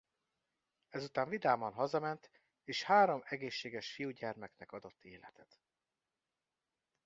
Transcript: Ezután vidáman hazament és három egészséges fiúgyermeknek adott életet.